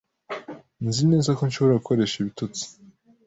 Nzi neza ko nshobora gukoresha ibitotsi.